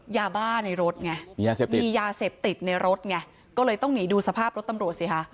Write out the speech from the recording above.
ยาบ้าในรถไงมียาเสพติดในรถไงก็เลยต้องหนีดูสภาพรถตำรวจสิคะ